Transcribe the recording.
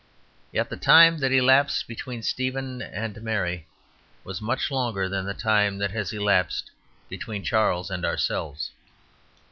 Yet the time that elapsed between Stephen and Mary was much longer than the time that has elapsed between Charles and ourselves.